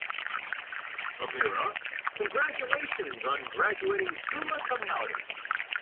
"Amira, congratulations on graduating summa cum laude."